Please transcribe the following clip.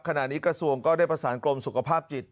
ขณะนี้กระทรวงก็ได้ประสานกรมสุขภาพจิต